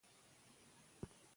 د خپلواکۍ جشن